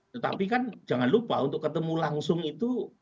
tetapi kan jangan lupa untuk ketemu langsung itu